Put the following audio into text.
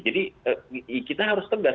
jadi kita harus tegas